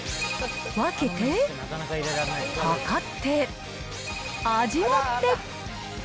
分けて、量って、味わって。